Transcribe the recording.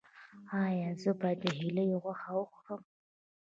ایا زه باید د هیلۍ غوښه وخورم؟